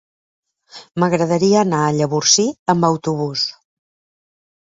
M'agradaria anar a Llavorsí amb autobús.